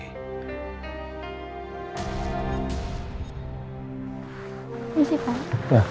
ini si pak